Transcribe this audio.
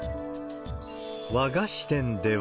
和菓子店では。